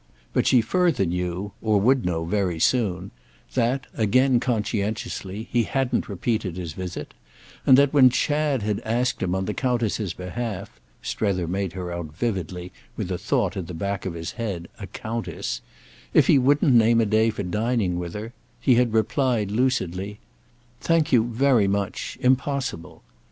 But she further knew, or would know very soon, that, again conscientiously, he hadn't repeated his visit; and that when Chad had asked him on the Countess's behalf—Strether made her out vividly, with a thought at the back of his head, a Countess—if he wouldn't name a day for dining with her, he had replied lucidly: "Thank you very much—impossible."